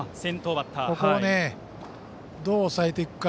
ここを、どう抑えていくか。